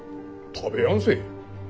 食べやんせ。